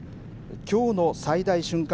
きょうの最大瞬間